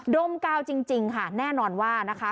ดมกาวจริงค่ะแน่นอนว่านะคะ